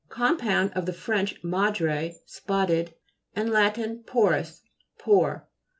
Compound of the French madre, spotted, and Lat. porus, pore.